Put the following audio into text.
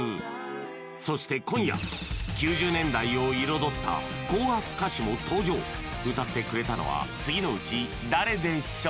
そして今夜９０年代を彩った紅白歌手も登場歌ってくれたのは次のうち誰でしょう